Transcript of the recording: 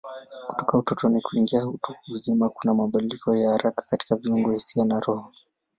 Kutoka utotoni kuingia utu uzima kuna mabadiliko ya haraka katika viungo, hisia na roho.